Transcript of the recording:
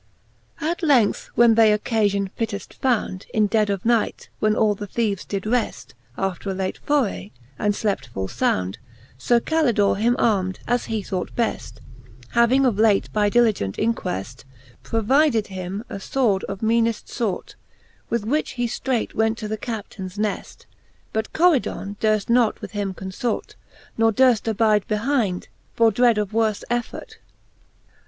At length when they occafion fitteft found, In dead of night, when all the theeves did reft After a late forray, and flept full found, Sir Calidore him arm'd, as he thought beft, Having of late, by diligent inqueft, Provided him a fword of meaneft fort : With which he ftreight went to the Captaines neft. But Coridon durft not with him confort, Ne durft abide behind, for dread of worfe effort, XLIII.